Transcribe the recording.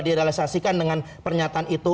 diadalisasikan dengan pernyataan itu